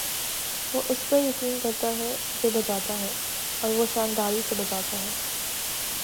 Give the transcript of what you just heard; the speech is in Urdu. وہ اس پر یقین کرتا ہے جو بجاتا ہے اور وہ شانداری سے بجاتا ہے